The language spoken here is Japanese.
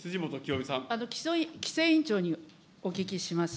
規制委員長にお聞きします。